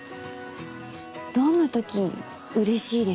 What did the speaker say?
どんな時うれしいですか？